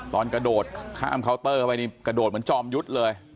ตอนกระโดดข้ามเคาน์เตอร์ไปนี่กระโดดเหมือนจอมยุทธ์เลย